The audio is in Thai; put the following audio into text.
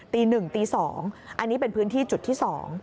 ตี๑ตี๒อันนี้เป็นพื้นที่จุดที่๒